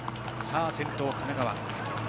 先頭、神奈川。